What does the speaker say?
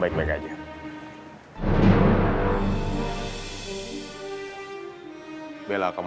mereka gak akan biarin kamu tenangin kamu